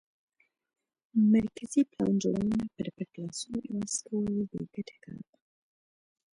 مرکزي پلان جوړونه پر پټ لاسونو عوض کول بې ګټه کار و